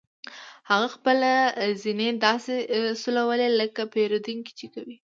هغه خپله زنې داسې سولوله لکه پیرودونکي چې کوي